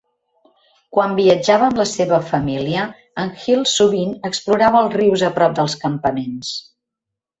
Quan viatjava amb la seva família, en Hill sovint explorava els rius a prop dels campaments.